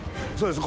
そう。